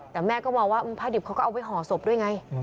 แต่แม่ก็มองว่าผ้าดิบเขาก็เอาไว้ห่อศพด้วยไง